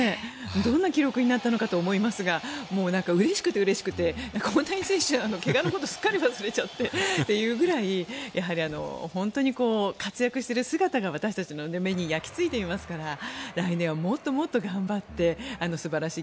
どんな記録になったのかなと思いますがうれしくてうれしくて大谷選手の怪我のこと忘れちゃってというぐらいやはり本当に活躍する姿が私たちの目に焼きついていますから来年はもっともっと頑張って素晴らしい